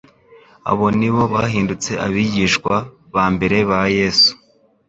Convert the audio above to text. Abo nibo bahindutse abigishwa ba mbere ba Yesu.